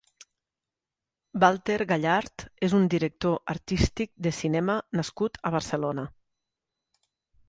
Balter Gallart és un director artístic de cinema nascut a Barcelona.